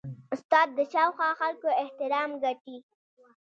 استاد د شاوخوا خلکو احترام ګټي.